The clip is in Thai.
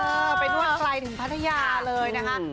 กลับมาตัวเบาสบายใช่นะไปนวดไกลถึงพัทยาเลยนะครับ